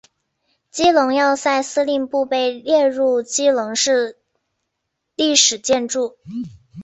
基隆要塞司令部被列入基隆市历史建筑。